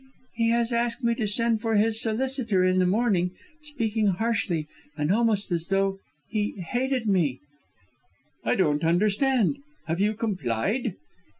"He has asked me to send for his solicitor in the morning, speaking harshly and almost as though he hated me...." "I don't understand. Have you complied?"